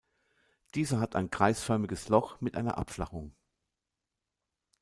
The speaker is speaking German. Diese hat ein kreisförmiges Loch mit einer Abflachung.